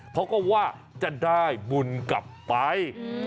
เขาก็ว่าจะได้บุญกลับไป